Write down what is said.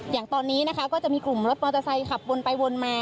อย่างตอนนี้นะคะก็จะมีกลุ่มรถมอเตอร์ไซค์ขับวนไปวนมา